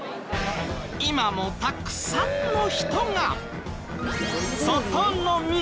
今もたくさんの人が。